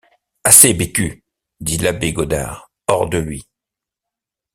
Assez, Bécu! dit l’abbé Godard, hors de lui.